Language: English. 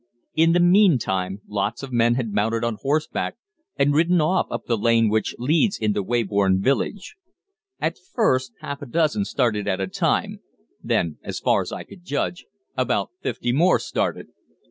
"In the meantime lots of men had mounted on horseback and ridden off up the lane which leads into Weybourne village. At first half a dozen started at a time; then, as far as I could judge, about fifty more started.